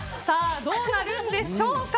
どうなるんでしょうか。